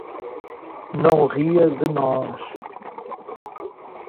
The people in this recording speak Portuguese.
Não ria de nós!